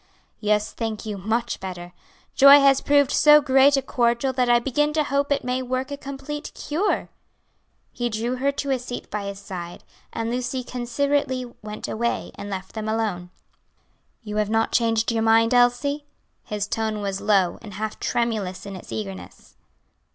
"Yes, thank you, much better. Joy has proved so great a cordial that I begin to hope it may work a complete cure." He drew her to a seat by his side, and Lucy considerately went away and left them alone. "You have not changed your mind, Elsie?" His tone was low and half tremulous in its eagerness.